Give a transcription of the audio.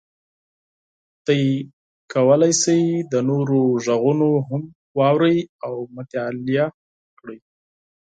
تاسو کولی شئ د نورو غږونه هم واورئ او مطالعه کړئ.